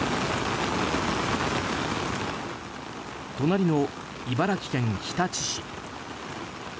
隣の茨城県日立市。